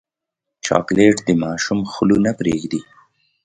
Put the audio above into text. چاکلېټ د ماشوم خوله نه پرېږدي.